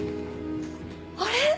あれ？